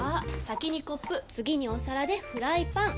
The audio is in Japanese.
先にコップ次にお皿でフライパン！